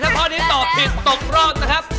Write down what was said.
ข้อนี้ตอบผิดตกรอบนะครับ